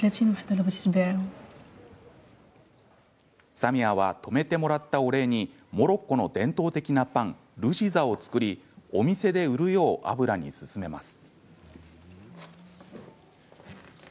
サミアは泊めてもらったお礼にモロッコの伝統的なパンルジザを作りお店で売るようアブラに勧めます。